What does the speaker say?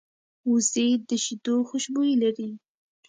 وزې د شیدو خوشبويي لري